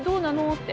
って。